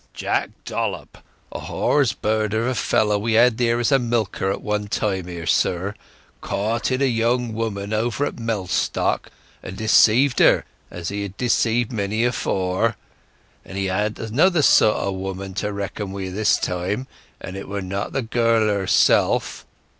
"Jack Dollop, a 'hore's bird of a fellow we had here as milker at one time, sir, courted a young woman over at Mellstock, and deceived her as he had deceived many afore. But he had another sort o' woman to reckon wi' this time, and it was not the girl herself.